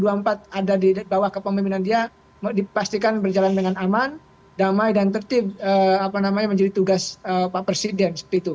ada di bawah kepemimpinan dia dipastikan berjalan dengan aman damai dan tertib menjadi tugas pak presiden seperti itu